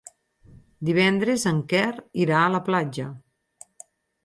Divendres en Quer irà a la platja.